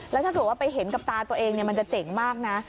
แล้วถ้าเกิดว่าไปเห็นกับตาตัวเองมันจะเจ๋งมากนะ